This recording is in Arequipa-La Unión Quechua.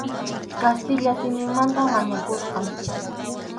Kastilla simimanta mañakusqa.